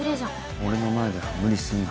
俺の前では無理すんな。